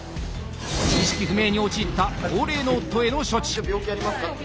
意識不明に陥った高齢の夫への処置。